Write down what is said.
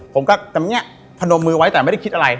ผมก็พนมมือไว้แต่ไม่ได้คิดอะไร